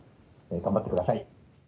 頑張ってください。